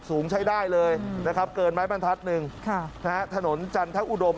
สูงใช้ได้เลยนะครับเกินไม้บรรทัศน์หนึ่งถนนจันทอุดม